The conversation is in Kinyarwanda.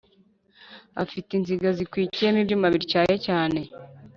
afite inziga zikwikiyemo ibyuma bityaye cyane